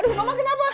aduh mama kenapa